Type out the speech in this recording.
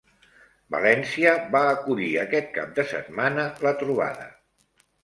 València va acollir aquest cap de setmana la trobada